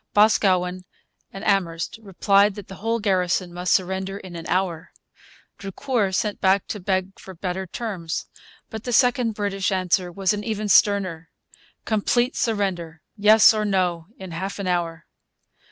Boscawen and Amherst replied that the whole garrison must surrender in an hour. Drucour sent back to beg for better terms. But the second British answer was even sterner complete surrender, yes or no, in half an hour.